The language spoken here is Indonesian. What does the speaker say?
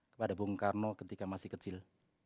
kepada bung karno ketika masih kecil